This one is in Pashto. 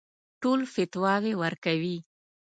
ټول فتواوې ورکوي.